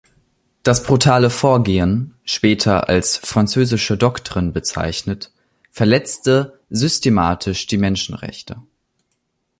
Das brutale Vorgehen, später als Französische Doktrin bezeichnet, verletzte systematisch die Menschenrechte.